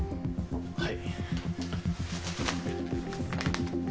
はい。